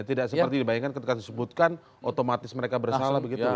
tidak seperti dibayangkan ketika disebutkan otomatis mereka bersalah begitu ya